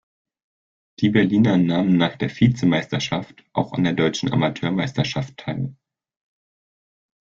Die Berliner nahmen nach der Vizemeisterschaft auch an der deutschen Amateurmeisterschaft teil.